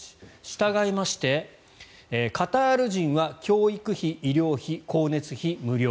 したがいましてカタール人は教育費、医療費、光熱費無料